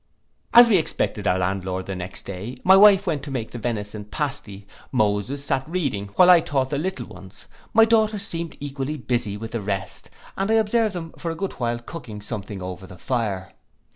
As we expected our landlord the next day, my wife went to make the venison pasty; Moses sate reading, while I taught the little ones: my daughters seemed equally busy with the rest; and I observed them for a good while cooking something over the fire.